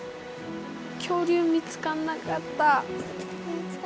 見つかんなかった。